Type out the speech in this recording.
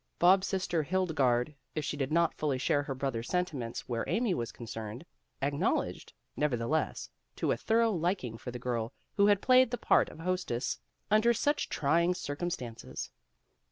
Bob's sister Hildegarde, if she did not fully share her brother's sentiments where Amy was concerned, acknowledged, neverthe less, to a thorough liking for the girl who had played the part of hostess under such trying circumstances.